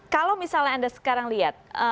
kalau misalnya anda sekarang lihat